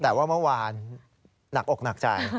แต่ว่าเมื่อวานหนักอกหนักใจ